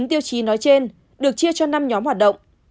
ba mươi chín tiêu chí nói trên được chia cho năm nhóm hoạt động